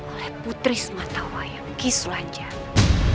oleh putri sumatawa yang pisul anjana